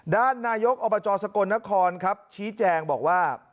ด้านนายกอบจสกลนครครับชี้แจงบอกว่า